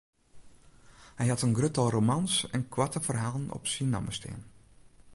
Hy hat in grut tal romans en koarte ferhalen op syn namme stean.